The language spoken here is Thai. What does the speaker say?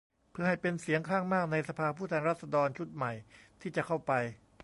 เพื่อให้เป็นเสียงข้างมากในสภาผู้แทนราษฎรชุดใหม่ที่จะเข้าไป